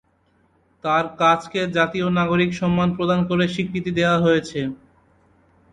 তার কাজকে জাতীয় নাগরিক সম্মান প্রদান করে স্বীকৃতি দেওয়া হয়েছে। হয়েছে।